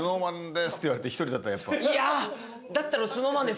だったら「ＳｎｏｗＭａｎです」